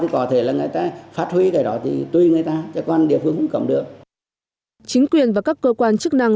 chính quyền và các cơ quan chức năng